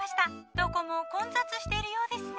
どこも混雑しているようですね。